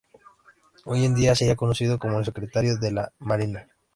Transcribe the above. Hoy en día, sería conocido como el secretario de la Marina.